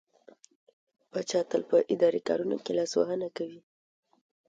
پاچا تل په اداري کارونو کې لاسوهنه کوي.